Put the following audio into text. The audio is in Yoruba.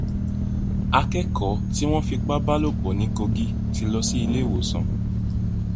Akẹ́kọ̀ọ́ tí wọ́n fipábálòpọ̀ ní Kogí ti lọ sí ilé ìwòsàn.